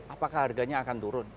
apakah harganya akan turun